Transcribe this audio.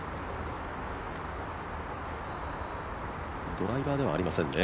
ドライバーではありませんね。